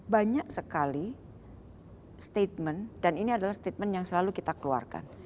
banyak sekali statement dan ini adalah statement yang selalu kita keluarkan